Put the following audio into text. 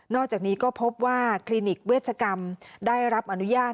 อกจากนี้ก็พบว่าคลินิกเวชกรรมได้รับอนุญาต